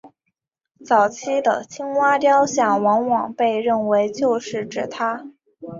早期的青蛙雕像往往被认为就是指她。